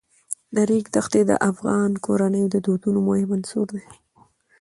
د ریګ دښتې د افغان کورنیو د دودونو مهم عنصر دی.